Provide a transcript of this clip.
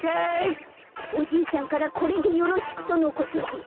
おじいちゃんから「これでよろしく」とのことです。